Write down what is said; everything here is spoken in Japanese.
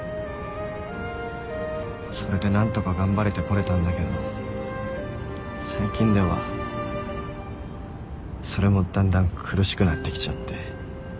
それでなんとか頑張れてこれたんだけど最近ではそれもだんだん苦しくなってきちゃって。